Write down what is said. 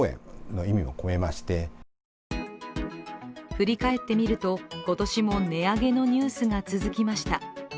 振り返ってみると今年も値上げのニュースが続きました。